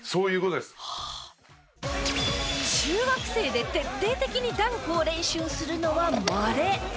中学生で徹底的にダンクを練習するのはまれ。